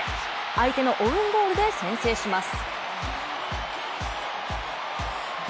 相手のオウンゴールで先制します。